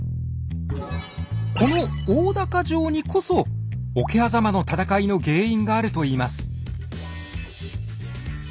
この大高城にこそ桶狭間の戦いの原因があるといいます。